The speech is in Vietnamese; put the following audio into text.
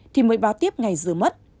thì mới báo tiếp ngày dừa mất